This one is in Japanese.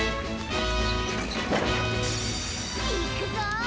いくぞ！